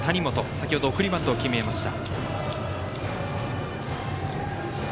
先ほど送りバントを決めました。